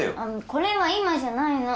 これは今じゃないの。